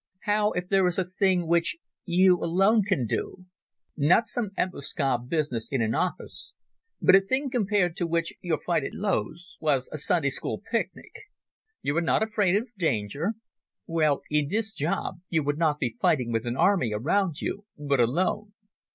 How if there is a thing which you alone can do? Not some embusque business in an office, but a thing compared to which your fight at Loos was a Sunday school picnic. You are not afraid of danger? Well, in this job you would not be fighting with an army around you, but alone.